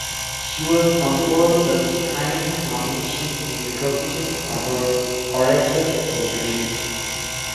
She was conferred the thine nomination in recognition of her courageous leadership.